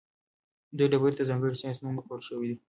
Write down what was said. دې ډبرې ته ځانګړی ساینسي نوم ورکړل شوی دی.